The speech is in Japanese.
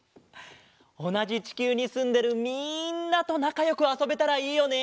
おなじちきゅうにすんでるみんなとなかよくあそべたらいいよね。